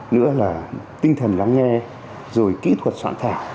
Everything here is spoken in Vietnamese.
nữa là tinh thần lắng nghe rồi kỹ thuật soạn thảo